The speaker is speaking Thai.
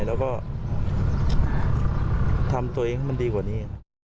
แล้วก็ทำตัวเองให้มันดีกว่านี้